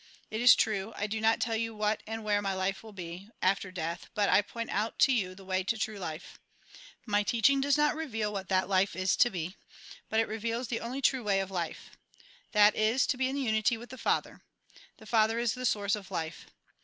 It is true, I do not tell you what and where my life will be, after death, but I point out to you the way to true life. My teaching does not reveal what that life is to be, but it reveals the only true way A RECAPITULATION 213 of life. That is, to be in unity with the Father. The Father is the source of life.